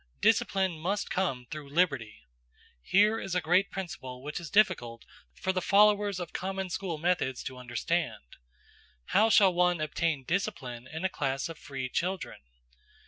Discipline must come through liberty. Here is a great principle which is difficult for the followers of common school methods to understand. How shall one obtain discipline in a class of free children?